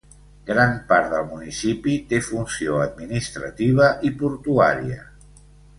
Gran part del municipi té funció administrativa i portuària.